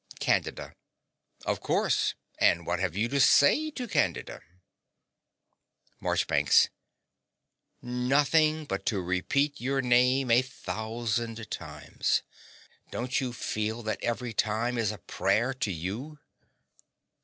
CANDIDA. Of course. And what have you to say to Candida? MARCHBANKS. Nothing, but to repeat your name a thousand times. Don't you feel that every time is a prayer to you?